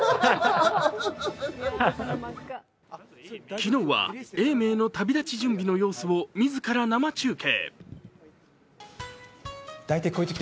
昨日は永明の旅立ち準備の様子を自ら生中継。